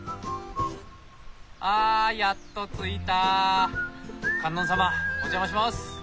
あやっと着いた観音様お邪魔します！